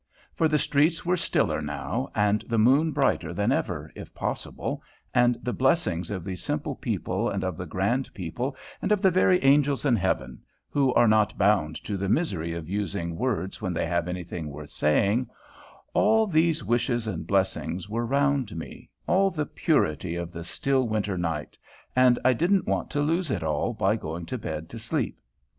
For the streets were stiller now, and the moon brighter than ever, if possible, and the blessings of these simple people and of the grand people, and of the very angels in heaven, who are not bound to the misery of using words when they have anything worth saying, all these wishes and blessings were round me, all the purity of the still winter night, and I didn't want to lose it all by going to bed to sleep.